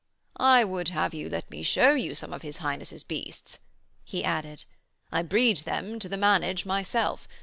'I would have you let me show you some of his Highness' beasts,' he added. 'I breed them to the manage myself.